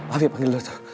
awik panggil dokter